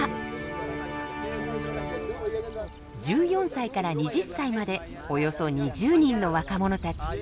１４歳から２０歳までおよそ２０人の若者たち。